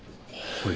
はい。